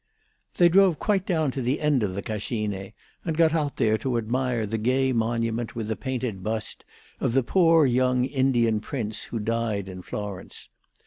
They drove quite down to the end of the Cascine, and got out there to admire the gay monument, with the painted bust, of the poor young Indian prince who died in Florence.